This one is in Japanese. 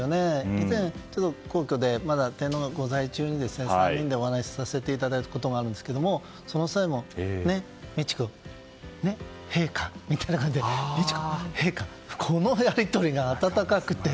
以前に天皇がご在位中に３人でお話をさせていただいたことがあるんですがその際も美智子、陛下みたいな感じでこのやり取りが温かくて。